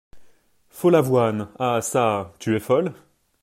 Follavoine Ah çà ! tu es folle ?